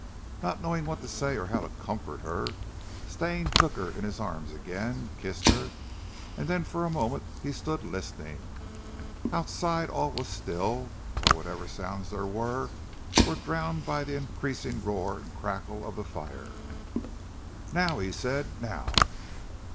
Not knowing what to say, or how to comfort her, Stane took her in his arms again, and kissed her, then for a moment he stood listening. Outside all was still or whatever sounds there were were drowned by the increasing roar and crackle of the fire. "Now!" he said. "Now!"